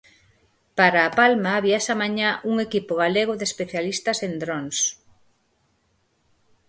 Para a Palma viaxa mañá un equipo galego de especialistas en drons.